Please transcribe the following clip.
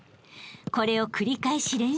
［これを繰り返し練習。